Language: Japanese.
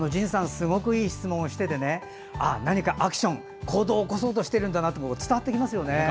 すごくいい質問をしていて何かアクション、行動を起こそうとしているんだなと伝わってきますよね。